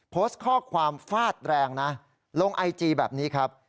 โพสต์ข้อความฟาดแรงนะลงไอจีแบบนี้ครับ